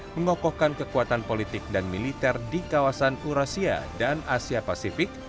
mengokohkan kekuatan politik dan militer di kawasan eurasia dan asia pasifik